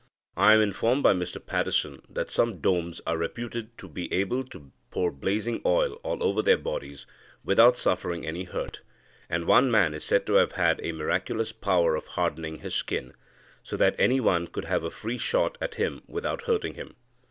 I am informed by Mr Paddison that some Dombs are reputed to be able to pour blazing oil all over their bodies, without suffering any hurt; and one man is said to have had a miraculous power of hardening his skin, so that any one could have a free shot at him without hurting him.